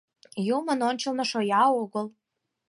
Юмын ончылно, шоя огыл!